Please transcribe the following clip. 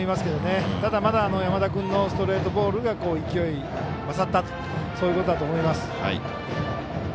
ただ、まだ山田君のストレートボールが勢い勝ったということだと思います。